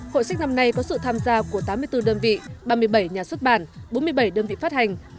hội sách năm nay có sự tham gia của tám mươi bốn đơn vị ba mươi bảy nhà xuất bản bốn mươi bảy đơn vị phát hành